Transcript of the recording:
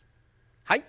はい。